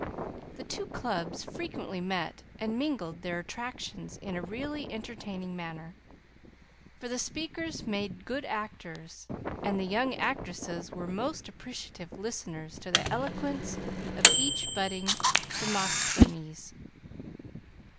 The two clubs frequently met and mingled their attractions in a really entertaining manner, for the speakers made good actors, and the young actresses were most appreciative listeners to the eloquence of each budding Demosthenes.